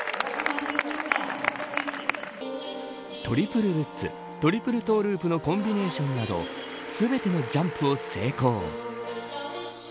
トリプルルッツトリプルトゥループのコンビネーションなど全てのジャンプを成功。